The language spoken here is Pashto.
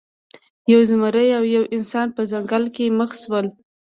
یو زمری او یو انسان په ځنګل کې مخ شول.